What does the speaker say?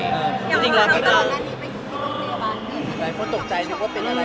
ยังรอตอนนั้นนี่ไปที่โรงพยาบาล